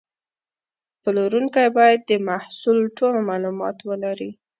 پلورونکی باید د محصول ټول معلومات ولري.